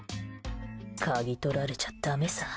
かぎとられちゃダメさ。